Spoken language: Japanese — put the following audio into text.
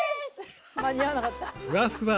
間に合わなかった。